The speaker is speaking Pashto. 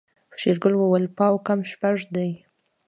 شېرګل وويل پاو کم شپږ دي.